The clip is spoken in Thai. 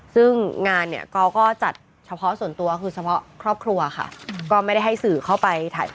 ซึ่งงานเนี่ยเขาก็จัดเฉพาะส่วนตัวคือเฉพาะครอบครัวค่ะก็ไม่ได้ให้สื่อเข้าไปถ่าย